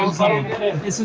ini adalah mistik